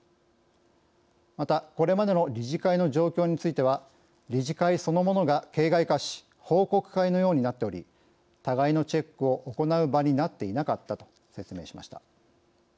またこれまでの理事会の状況については「理事会そのものが形骸化し報告会のようになっており互いのチェックを行う場になっていなかった」と説明しました。